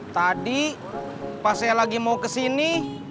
tadi pas saya lagi mau kesini